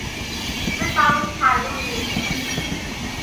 The town has a museum.